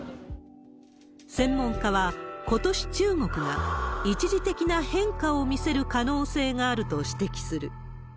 専門家は、ことし中国が一時的な変化を見せる可能性があると指摘する。